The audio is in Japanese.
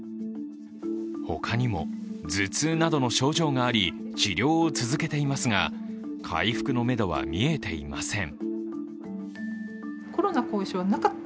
ほかにも、頭痛などの症状があり治療を続けていますが、回復のめどは見えていません。